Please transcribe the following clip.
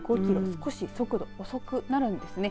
少し速度、遅くなるんです。